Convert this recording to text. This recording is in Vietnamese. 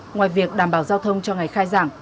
ngoài việc đảm bảo giao thông cho ngày khai giảng